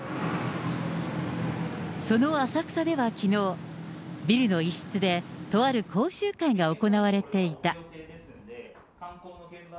その浅草ではきのう、ビルの一室でとある講習会が行われていた。